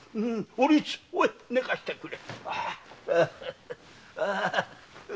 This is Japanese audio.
お律寝かせてくれ。